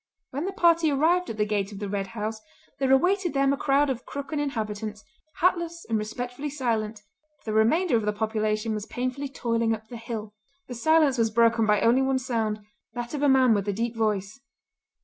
When the party arrived at the gate of the Red House there awaited them a crowd of Crooken inhabitants, hatless and respectfully silent; the remainder of the population was painfully toiling up the hill. The silence was broken by only one sound, that of a man with a deep voice.